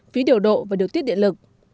phí điều độ và điều tiết điện lực